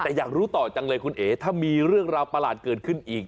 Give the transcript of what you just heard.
แต่อยากรู้ต่อจังเลยคุณเอ๋ถ้ามีเรื่องราวประหลาดเกิดขึ้นอีก